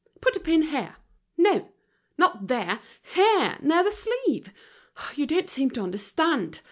"Put a pin here! No! not there, here, near the sleeve. You don't seem to understand!